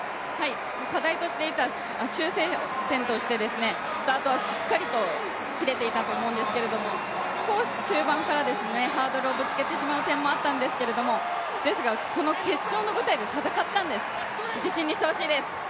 課題としていた修正点としてスタートはしっかりと切れていたと思うんですけど少し中盤からハードルをぶつけてしまう点もあったんですけどもですがこの決勝の舞台で戦ったんです、自信にしてほしいです。